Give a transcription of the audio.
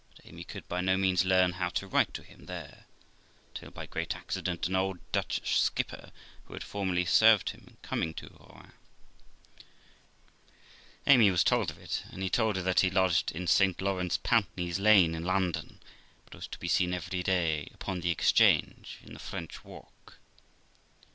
But Amy could by no means learn how to write to him there, till, by great accident, an old Dutch skipper, who had formerly served him, coming to Rouen, Amy was told of it ; and he told her that he lodged in St Laurence Pountney's Lane, in London, but was to be seen every day upon the Exchange, in the French walk.